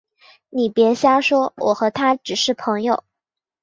你别瞎说，我和他只是朋友